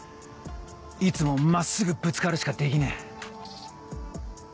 いつも真っすぐぶつかるしかできねえ。